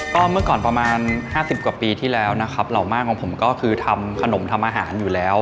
ก็เมื่อก่อนประมาณ๕๐กว่าปีที่แล้วนะครับเหล่าม่านของผมก็คือทำขนมทำอาหารอยู่แล้ว